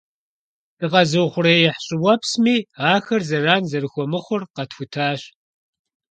Дыкъэзыухъуреихь щIыуэпсми ахэр зэран зэрыхуэмыхъур къэтхутащ